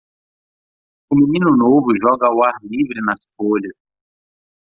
O menino novo joga ao ar livre nas folhas.